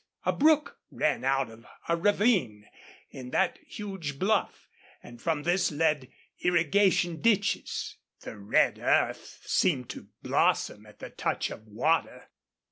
A brook ran out of a ravine in the huge bluff, and from this led irrigation ditches. The red earth seemed to blossom at the touch of water.